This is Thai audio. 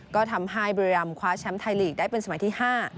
ก็ทำให้บุรีรำคว้าแชมป์ไทยลีกได้เป็นสมัยที่๕